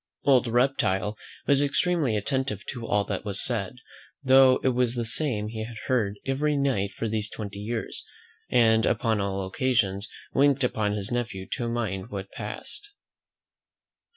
Old Reptile was extremely attentive to all that was said, though it was the same he had heard every night for these twenty years, and upon all occasions winked upon his nephew to mind what passed.